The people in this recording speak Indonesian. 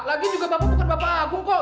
lagi juga bapak bukan bapak agung kok